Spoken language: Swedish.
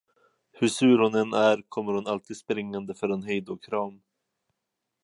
Hur sur hon än är kommer hon alltid springande för en hejdåkram.